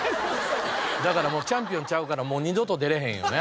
だからもうチャンピオンちゃうからもう二度と出れへんよね。